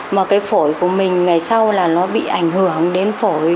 mà cái phổi của mình ngày sau là nó bị ảnh hưởng đến phổi